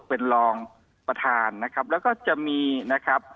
เป็นรองประธานนะครับแล้วก็จะมีนะครับ